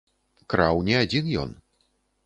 Краў не адзін ён.